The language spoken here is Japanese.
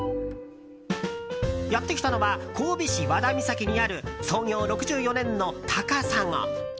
やってきたのは神戸市和田岬にある創業６４年の高砂。